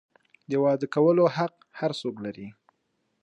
د واده کولو حق هر څوک لري.